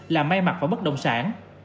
là may mặt và bất đồng sản